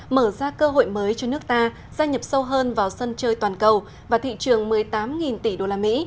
mở ra cơ hội mới cho nước ta gia nhập sâu hơn vào sân chơi toàn cầu và thị trường một mươi tám tỷ usd